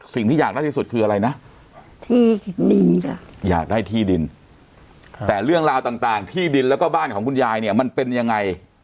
สิ่งที่อยากได้ที่สุดคืออะไรนะที่ดินจ้ะอยากได้ที่ดินแต่เรื่องราวต่างที่ดินแล้วก็บ้านของคุณยายเนี่ยมันเป็นยังไง